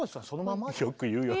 よく言うよ。